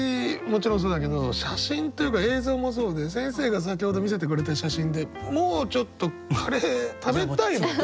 もちろんそうだけど写真というか映像もそうで先生が先ほど見せてくれた写真でもうちょっとカレー食べたいもんね。